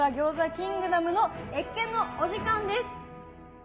キングダムの謁見のお時間です。